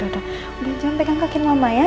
jangan pegang kakin mama ya